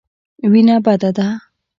وېنه بده ده.